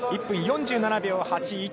１分４７秒８１。